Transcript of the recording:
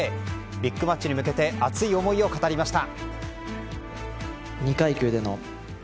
ビッグマッチに向けて熱い思いを語りました。